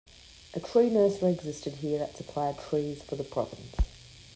A tree nursery existed here that supplied trees for the province.